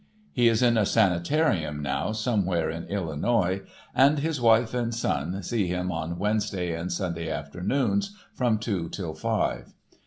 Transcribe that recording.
He is in a sanitarium now somewhere in Illinois, and his wife and son see him on Wednesday and Sunday afternoons from two till five.